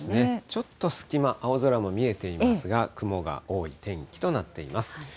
ちょっと隙間、青空も見えていますが、雲が多い天気となっています。